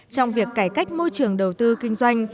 trong việc cải cách môi trường đầu tư kinh doanh